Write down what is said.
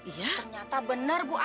ya ini tuh